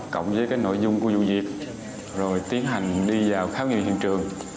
cộng với cái nội dung của vụ việc rồi tiến hành đi vào khám nghiệm hiện trường